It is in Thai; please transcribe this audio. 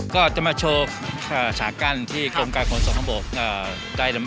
ก็จะมาโชว์อ่าฉากกั้นที่กรมการของส่องข้างบนอ่า